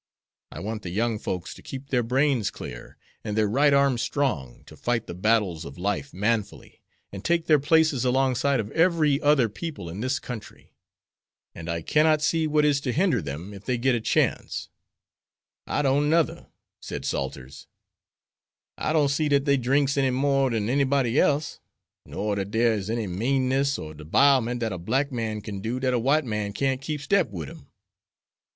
I want the young folks to keep their brains clear, and their right arms strong, to fight the battles of life manfully, and take their places alongside of every other people in this country. And I cannot see what is to hinder them if they get a chance." "I don't nuther," said Salters. "I don't see dat dey drinks any more dan anybody else, nor dat dere is any meanness or debilment dat a black man kin do dat a white man can't keep step wid him."